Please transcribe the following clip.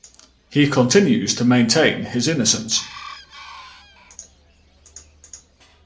He continues to maintain his innocence.